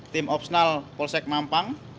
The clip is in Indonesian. tim opsnal polsek mampang